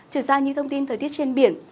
chuyển sang những thông tin thời tiết trên biển